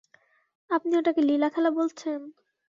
আপনি ওটাকে লীলাখেলা বলছেন?